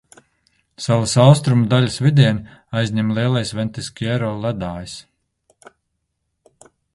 Salas austrumu daļas vidieni aizņem Lielais Ventiskjero ledājs.